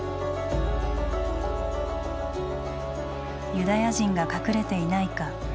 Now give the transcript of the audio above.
ユダヤ人が隠れていないか？